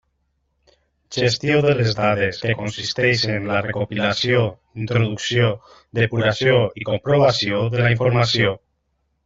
Gestió de les dades que consisteix en la recopilació, introducció, depuració i comprovació de la informació.